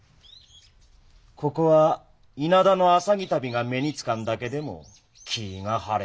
ここは稲田の浅葱足袋が目につかんだけでも気ぃが晴れるぞ。